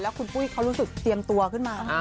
คุณปุ้ยเขารู้สึกเตรียมตัวขึ้นมา